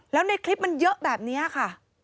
แล้วในคลิปมันเยอะแบบนี้ค่ะ